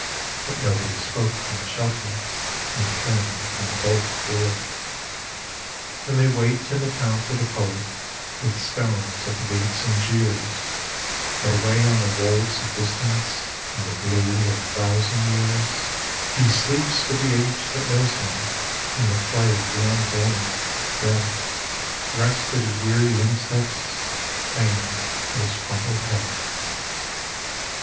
But nobody spoke from the shelter. And he turned from the bolted door. And they wait in the town for the poet With stones at the gates, and jeers, But away on the wolds of distance In the blue of a thousand years 100 THE COMING POET loi He sleeps with the age that knows him, In the clay of the unborn, dead, Rest at his weary insteps, Fame at his crumbled head.